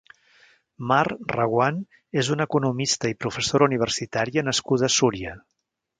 Mar Reguant és una economista i professora universitària nascuda a Súria.